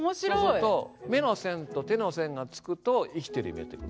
そうすると目の線と手の線がつくと生きてるように見えてくる。